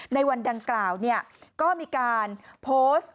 ในวันดังกล่าวก็มีการโพสต์